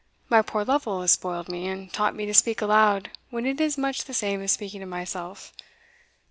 my poor Lovel has spoiled me, and taught me to speak aloud when it is much the same as speaking to myself.